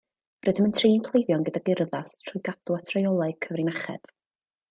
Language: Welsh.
Rydym yn trin cleifion gydag urddas trwy gadw at reolau cyfrinachedd